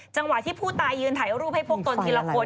จังหวะที่ผู้ตายยืนถ่ายรูปให้พวกตนทีละคน